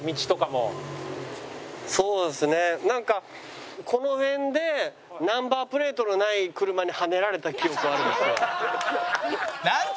そうですねなんかこの辺でナンバープレートのない車にはねられた記憶はあるんですよ。